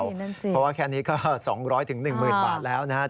เพราะว่าแค่นี้ก็๒๐๐๑๐๐๐บาทแล้วนะครับ